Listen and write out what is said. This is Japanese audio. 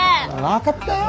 分かったよ。